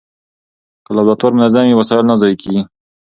که لابراتوار منظم وي، وسایل نه ضایع کېږي.